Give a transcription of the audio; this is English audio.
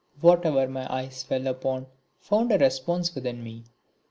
Whatever my eyes fell upon found a response within me.